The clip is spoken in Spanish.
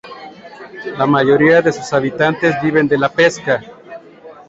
La mayoría de sus habitantes vive de la pesca.